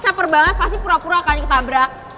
lo capek banget pasti pura pura akan ditabrak